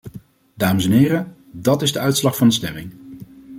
Dames en heren, dat is de uitslag van de stemming.